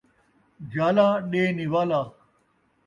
جالا ݙے نِوالا